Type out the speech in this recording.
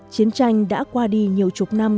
chiến tranh đã qua đi nhiều chục năm